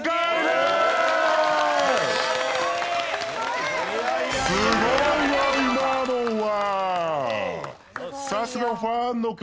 すごいよ今のは。